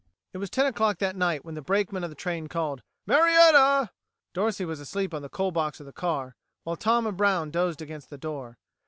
It was ten o'clock that night when the brakeman of the train called, "Marietta!" Dorsey was asleep on the coal box of the car, while Tom and Brown dozed against the door.